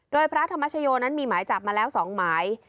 โดยพระธรรมชโยนั้นมีหมายจับมาแล้ว๒หมาย